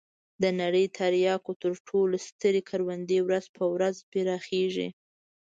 د نړۍ د تریاکو تر ټولو سترې کروندې ورځ په ورځ پراخېږي.